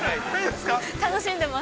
楽しんでます。